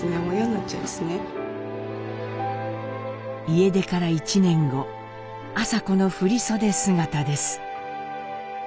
家出から１年後麻子の振り袖姿です。